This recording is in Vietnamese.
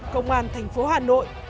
công an thành phố hà nội